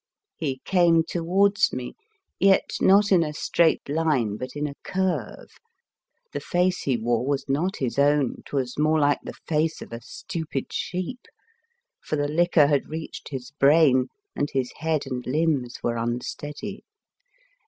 46 The Fearsome Island He came towards me, yet not in a straight line but in a curve: the face he wore was not his own, 'twas more like the face of a stupid sheep ; for the liquor had reached his brain, and his head and limbs were unsteady.